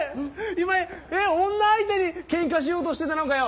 今井えっ女相手にケンカしようとしてたのかよ。